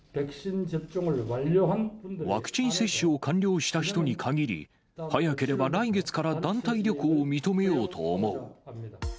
ワクチン接種を完了した人に限り、早ければ来月から団体旅行を認めようと思う。